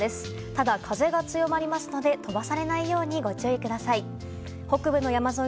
ただ、風が強まりますので飛ばされないようにご注意ください。